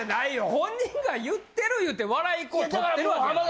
本人が言ってるいうて笑いとってるわけやから。